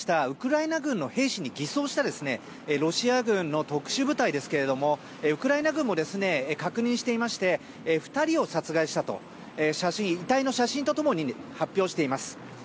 ウクライナ軍の兵士に偽装したロシア軍の特殊部隊ですけどウクライナ軍も確認していまして２人を殺害したと遺体の写真と共に発表しています。